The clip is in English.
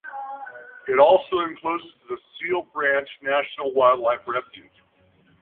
It also encloses the Seal Beach National Wildlife Refuge.